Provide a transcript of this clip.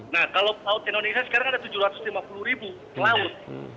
nah kalau laut indonesia sekarang ada tujuh ratus lima puluh ribu laut